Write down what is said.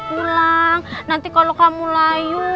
pulang nanti kalau kamu layu